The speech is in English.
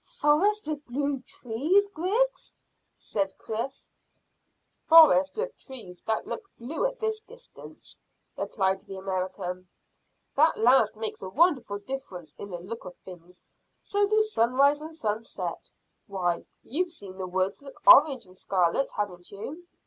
"Forests with blue trees, Griggs?" said Chris. "Forests with trees that look blue at this distance," replied the American. "That last makes a wonderful difference in the look of things. So do sunrise and sunset. Why, you've seen the woods look orange and scarlet, haven't you?"